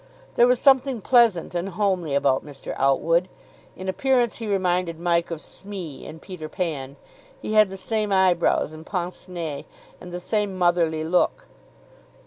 There was something pleasant and homely about Mr. Outwood. In appearance he reminded Mike of Smee in "Peter Pan." He had the same eyebrows and pince nez and the same motherly look.